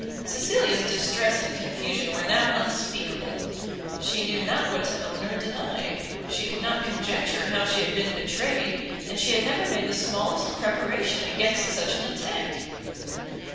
Cecilia's distress and confusion were now unspeakable; she knew not what to own or deny, she could not conjecture how she had been betrayed, and she had never made the smallest preparation against such an attack.